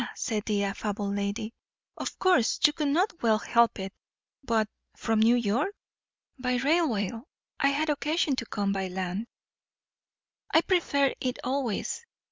said the affable lady. "Of course. You could not well help it. But from New York?" "By railway. I had occasion to come by land." "I prefer it always.